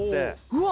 うわ！